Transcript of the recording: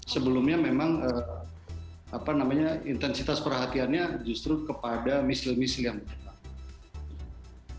sebelumnya memang intensitas perhatiannya justru kepada misil misi yang berkembang